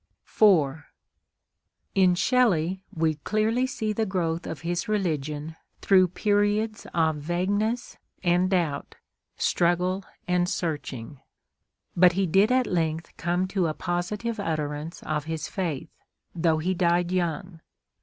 IV In Shelley we clearly see the growth of his religion through periods of vagueness and doubt, struggle and searching. But he did at length come to a positive utterance of his faith, though he died young.